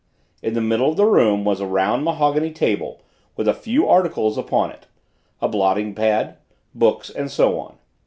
In the middle of the room was a round mahogany table with a few small articles upon it, a blotting pad, books and so on.